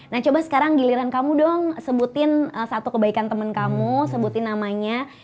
nah coba sekarang giliran kamu dong sebutin satu kebaikan temen kamu sebutin namanya